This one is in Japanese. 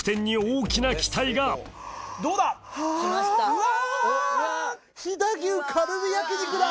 うわ！